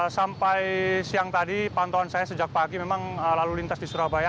sampai siang tadi pantauan saya sejak pagi memang lalu lintas di surabaya